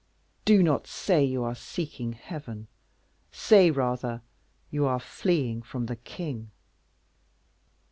Do not say you are seeking Heaven, say rather you are fleeing from the king."